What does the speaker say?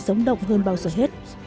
sống động hơn bao giờ hết